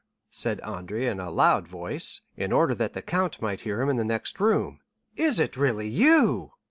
said Andrea in a loud voice, in order that the count might hear him in the next room, "is it really you?"